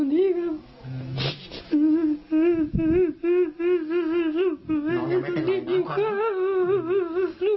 อืหึหึหึ